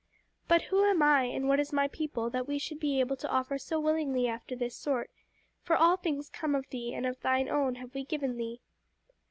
"But who am I, and what is my people, that we should be able to offer so willingly after this sort, for all things come of Thee and of Thine own have we given Thee."